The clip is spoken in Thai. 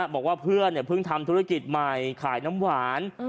บอกว่าเพื่อนเพิ่งทำธุรกิจใหม่ขายน้ำหวาน